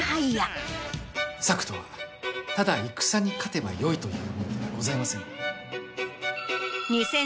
策とはただ戦に勝てばよいというものではございません。